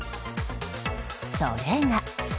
それが。